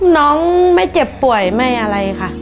น้องไม่เจ็บป่วยไม่อะไรค่ะ